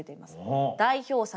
代表作